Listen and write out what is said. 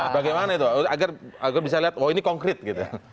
bagaimana itu agar bisa lihat wah ini konkret gitu